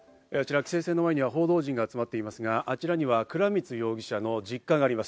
規制線の前には報道陣が集まっていますが、あちらには倉光容疑者の実家があります。